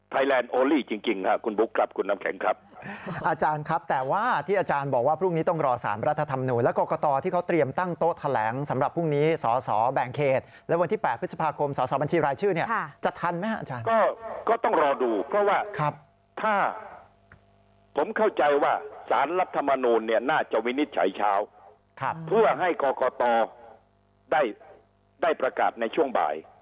วินิจฉัยเช้าเพื่อให้กรกตได้ประกาศในช่วงบ่าย